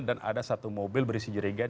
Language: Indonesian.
dan ada satu mobil berisi jerigan